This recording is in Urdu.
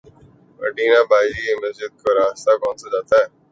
مارٹینا باجی یہ مسجد کو راستہ کونسا جاتا ہے